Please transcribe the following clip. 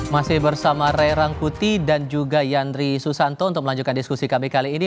masih bersama ray rangkuti dan juga yandri susanto untuk melanjutkan diskusi kami kali ini